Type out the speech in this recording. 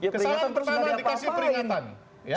kesalahan pertama dikasih peringatan